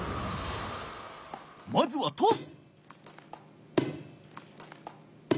まずはトス。